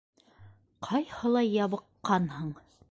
- Ҡайһылай ябыҡҡанһың!